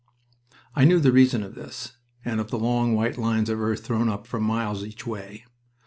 I knew the reason of this, and of the long white lines of earth thrown up for miles each way.